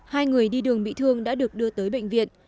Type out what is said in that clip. hai người đi đường bị thương đã được đưa tới bệnh viện